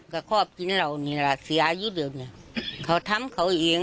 กะขอบกินเรานี่ล่ะศี่อายุเดิมนี่เขาทำเขาเอง